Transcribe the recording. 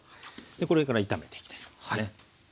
これから炒めていきたいと思いますね。